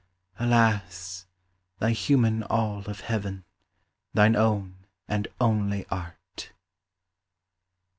Alas, thy human all of heaven: thine own and only Art.